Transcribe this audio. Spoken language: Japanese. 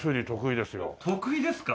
得意ですか！